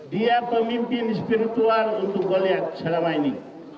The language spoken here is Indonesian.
dia pemimpin spiritual untuk melihat selama ini